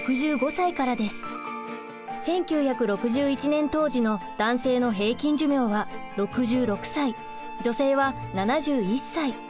１９６１年当時の男性の平均寿命は６６歳女性は７１歳。